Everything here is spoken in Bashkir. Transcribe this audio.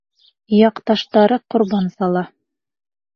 Яҡташтары ҡорбан сала.